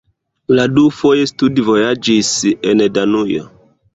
Li dufoje studvojaĝis en Danujo.